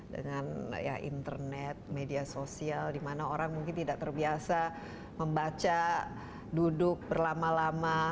dengan internet media sosial dimana orang mungkin tidak terbiasa membaca duduk berlama lama